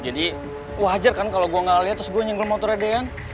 jadi wajar kan kalo gua gak liat terus gua nyenggel motornya dean